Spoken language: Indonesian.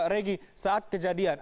regi saat kejadian